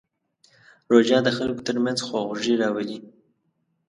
روژه د خلکو ترمنځ خواخوږي راولي.